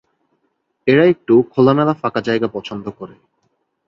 এরা একটু খোলামেলা ফাঁকা জায়গা পছন্দ করে।